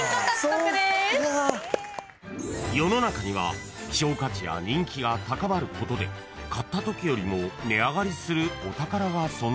［世の中には希少価値や人気が高まることで買ったときよりも値上がりするお宝が存在します］